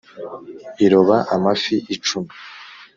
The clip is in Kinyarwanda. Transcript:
iroba amafi i cumi